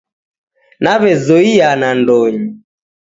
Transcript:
Naw'ezoiya nandonyi